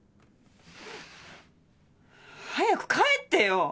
早く帰ってよ！